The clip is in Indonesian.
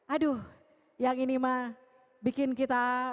aduh yang ini mah bikin kita